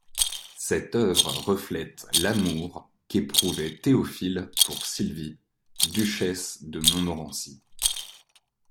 Cette œuvre reflète l'amour qu'éprouvait Théophile pour Sylvie, duchesse de Montmorency.